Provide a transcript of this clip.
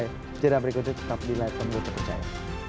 segera berikutnya tetap di live kampung terpercaya